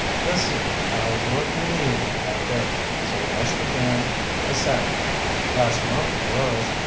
"Let's see. I was workin' in the evenin' that day, so it must have been a Saturday. Last month, it was.